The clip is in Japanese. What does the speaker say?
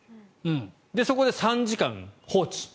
そこで３時間放置。